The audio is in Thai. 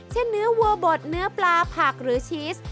เช่นเนื้อวัวบดเนื้อปลาผักหรือชีส